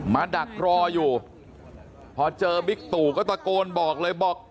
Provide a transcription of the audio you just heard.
ดักรออยู่พอเจอบิ๊กตู่ก็ตะโกนบอกเลยบอก